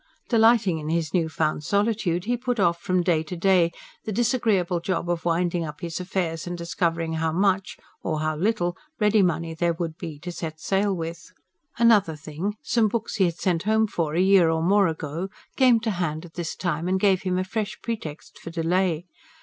Delighting in his new found solitude, he put off from day to day the disagreeable job of winding up his affairs and discovering how much or how little ready money there would be to set sail with. Another thing, some books he had sent home for, a year or more ago, came to hand at this time, and gave him a fresh pretext for delay.